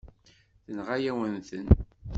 Tenɣa-yawen-ten.